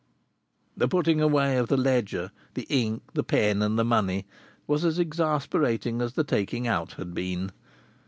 _" The putting away of the ledger, the ink, the pen and the money was as exasperating as their taking out had been.